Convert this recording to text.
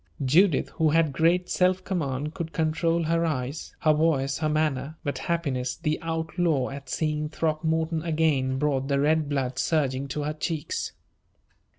Judith, who had great self command, could control her eyes, her voice, her manner; but happiness, the outlaw, at seeing Throckmorton again, brought the red blood surging to her cheeks.